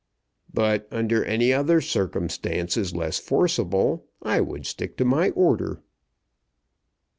"But under any other circumstances less forcible I would stick to my order."